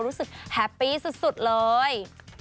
รู้สึกแฮปปี้สุดเลย